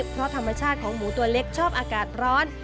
เพราะธรรมชาติของหมูตัวเล็กชอบอากาศร้อน